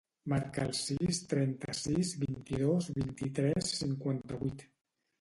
Marca el sis, trenta-sis, vint-i-dos, vint-i-tres, cinquanta-vuit.